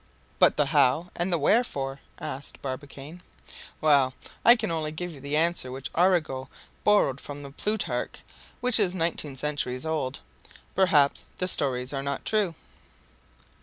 "But the how and the wherefore?" asked Barbicane. "Well, I can only give you the answer which Arago borrowed from Plutarch, which is nineteen centuries old. 'Perhaps the stories are not true!